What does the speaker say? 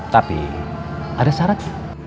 tapi ada syarat